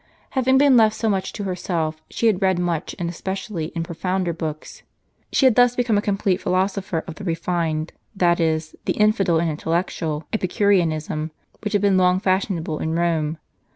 Having been left so much to herself, she had read much, and especially in profounder books. She had thus become a complete philosopher of the refined, that is, the infidel and intellectual, epicureanism, which had been long fashionable in Kome.